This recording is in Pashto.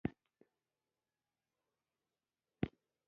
د چین اقتصاد د دولت تر ولکې لاندې قفس کې بندي ده.